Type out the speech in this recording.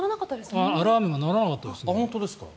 アラームが鳴らなかったです。